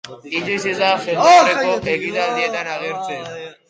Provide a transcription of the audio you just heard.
Inoiz ez da jendaurreko ekitaldietan agertzen.